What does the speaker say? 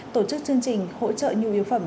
tổ chức chương trình hỗ trợ nhu yếu phẩm